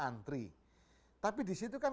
antri tapi di situ kan